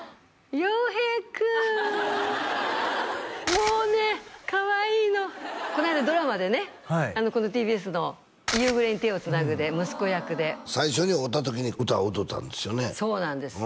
洋平君もうねかわいいのこの間ドラマでねこのＴＢＳの「夕暮れに、手をつなぐ」で息子役で最初に会うた時に歌を歌うたんですよねそうなんですよ